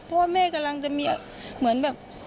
เพราะว่าแม่กำลังจะมีเหมือนแบบ